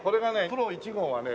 プロ１号はね